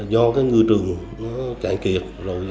do cái ngư trường nó cạn kiệt